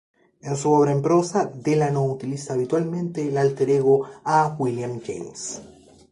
En su obra en prosa, Delano utiliza habitualmente el alter ego A. William James.